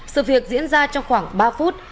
sự việc diễn ra trong khoảng ba phút